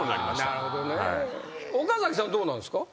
岡崎さんはどうなんですか？